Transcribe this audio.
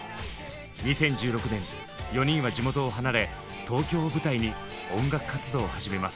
２０１６年４人は地元を離れ東京を舞台に音楽活動を始めます。